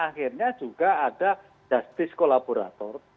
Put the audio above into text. dan akhirnya juga ada justice collaborator